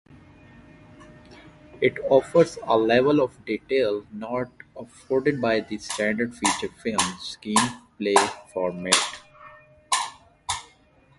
It offers a level of detail not afforded by the standard feature-film screenplay format.